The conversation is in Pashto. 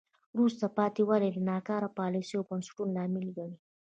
وروسته پاتې والی د ناکاره پالیسیو او بنسټونو لامل ګڼي.